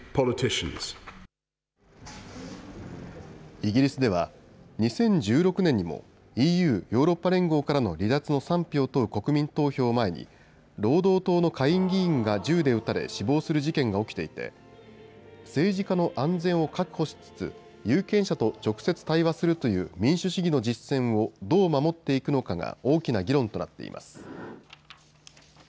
イギリスでは２０１６年にもＥＵ・ヨーロッパ連合からの離脱の賛否を問う国民投票を前に労働党の下院議員が銃で撃たれ死亡する事件が起きていて政治家の安全を確保しつつ有権者と直接対話するという民主主義の実践をどう守っていくのかが大きな議論となっています。